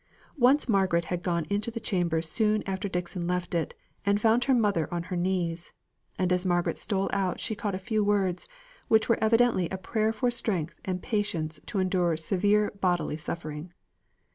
Once Margaret had gone into the chamber soon after Dixon left it, and found her mother on her knees, and as Margaret stole out she caught a few words which were evidently a prayer for strength and patience to endure severe bodily suffering.